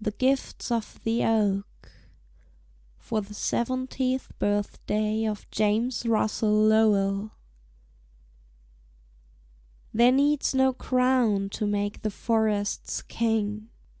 THE GIFTS OF THE OAK (FOR THE SEVENTIETH BIRTHDAY OF JAMES RUSSELL LOWELL) 'There needs no crown to mark the forest's king.'